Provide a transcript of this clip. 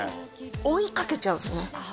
追いかけちゃうんですね